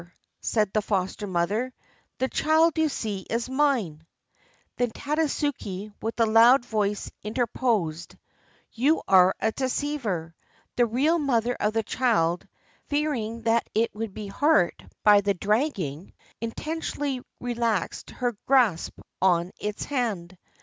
said the foster mother, "the child, you see, is mine." Then Tadasuke with a loud voice interposed: "You are a deceiver. The real mother of the child, fearing that it would be hurt by the dragging, intentionally relaxed her grasp on its hand.